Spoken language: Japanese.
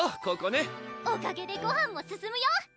ここねおかげでごはんも進むよ